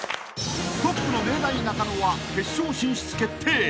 ［トップの明大中野は決勝進出決定］